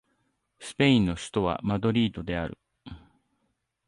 スペインの首都はマドリードである